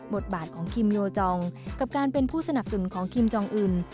บทบาทของคิมโนจองกับการเป็นผู้สนับสนุนของคิมจองอื่น